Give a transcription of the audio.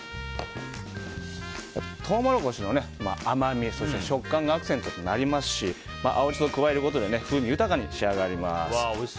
トウモロコシの甘み、食感がアクセントとなりますし青ジソを加えることで風味豊かに仕上がります。